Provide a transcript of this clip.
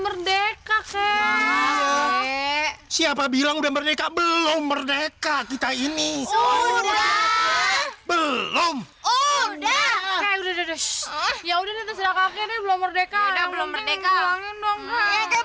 merdeka kek siapa bilang udah merdeka belum merdeka kita ini sudah belum udah udah udah